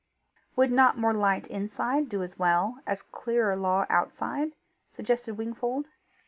"Would not more light inside do as well as clearer law outside?" suggested Wingfold.